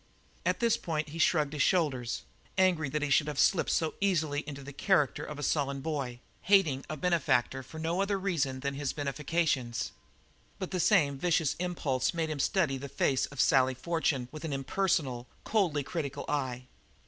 At this point he shrugged his shoulders, angry that he should have slipped so easily into the character of a sullen boy, hating a benefactor for no reason other than his benefactions; but the same vicious impulse made him study the face of Sally Fortune with an impersonal, coldly critical eye.